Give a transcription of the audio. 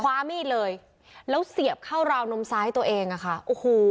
ความมีดเลยแล้วเสียบเข้าราวนมซ้ายตัวเองอ่ะค่ะโอ้โห